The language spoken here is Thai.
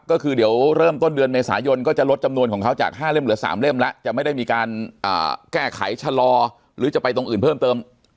ก็คือเดี๋ยวเริ่มต้นเดือนเมษายนก็จะลดจำนวนของเขาจาก๕เล่มเหลือ๓เล่มแล้วจะไม่ได้มีการแก้ไขชะลอหรือจะไปตรงอื่นเพิ่มเติม